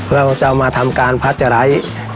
เราจะเอามาทำการพัชไร้